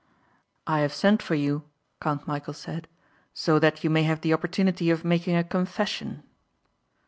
"I have sent for you," Count Michæl said, "so that you may have the opportunity of making a confession."